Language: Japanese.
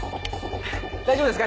大丈夫ですか？